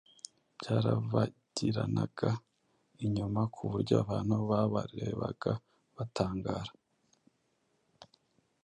byarabagiranaga inyuma ku buryo abantu babarebaga batangara.